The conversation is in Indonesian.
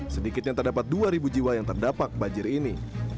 sedikitnya terdapat dua jiwa yang terdapat banjir ini